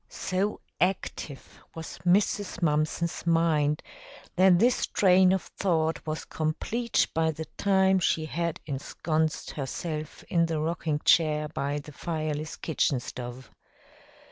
So active was Mrs. Mumpson's mind that this train of thought was complete by the time she had ensconced herself in the rocking chair by the fireless kitchen stove.